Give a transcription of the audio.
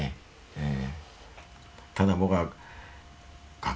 ええ。